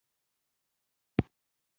هر څه په پسرلي کې تازه کېږي.